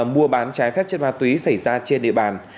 mua bán trái phép chất ma túy xảy ra trên địa bàn